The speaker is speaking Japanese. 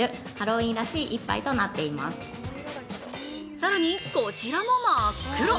更に、こちらも真っ黒。